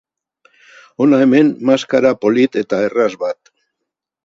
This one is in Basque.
Hona hemen maskara polit eta erraz bat.